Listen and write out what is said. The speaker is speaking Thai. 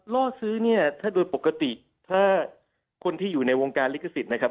ล่อซื้อเนี่ยถ้าโดยปกติถ้าคนที่อยู่ในวงการลิขสิทธิ์นะครับ